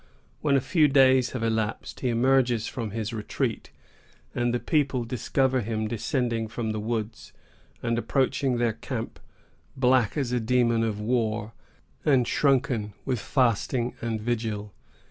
When a few days have elapsed, he emerges from his retreat, and the people discover him descending from the woods, and approaching their camp, black as a demon of war, and shrunken with fasting and vigil.